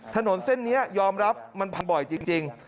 ถนนเส้นนี้ยอมรับมันพังบ่อยจริง